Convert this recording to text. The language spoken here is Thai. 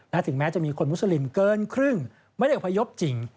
และถึงแม้จะมีคนมุสลิมเกินครึ่งไม่ได้อพยพจริง